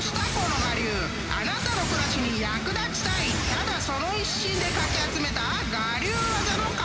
［ただその一心でかき集めた我流技の数々］